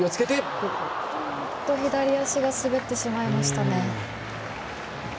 左足が滑ってしまいました。